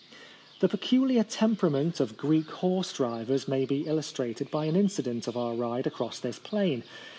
The peculiar temperament of Greek horse drivers may be illus strated by an incident of our ride across this plain.